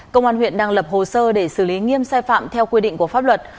công an huyện đang lập hồ sơ để xử lý nghiêm sai phạm theo quy định của pháp luật